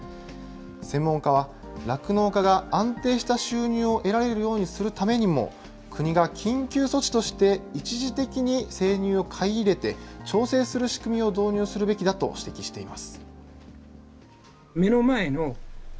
専門家は、酪農家が安定した収入を得られるようにするためにも、国が緊急措置として一時的に生乳を買い入れて、調整する仕組みを導入するべきだと指摘しています。